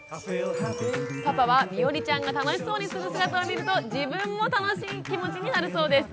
パパはみおりちゃんが楽しそうにする姿を見ると自分も楽しい気持ちになるそうです。